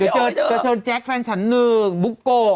จะชนแจ๊คแฟนฉันหนึ่งบุคโก